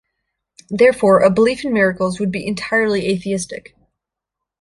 Therefore, a belief in miracles would be entirely atheistic.